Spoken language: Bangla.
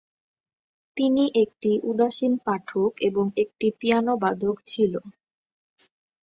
তিনি একটি উদাসীন পাঠক এবং একটি পিয়ানোবাদক ছিল।